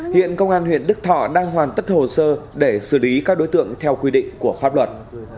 hiện công an huyện đức thọ đang hoàn tất hồ sơ để xử lý các đối tượng theo quy định của pháp luật